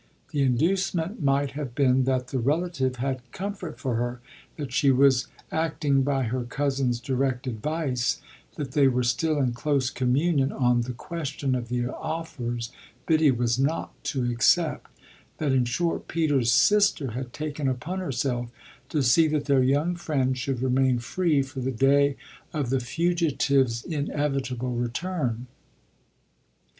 The inducement might have been that the relative had comfort for her, that she was acting by her cousin's direct advice, that they were still in close communion on the question of the offers Biddy was not to accept, that in short Peter's sister had taken upon herself to see that their young friend should remain free for the day of the fugitive's inevitable return.